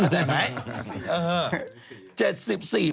ได้ไหม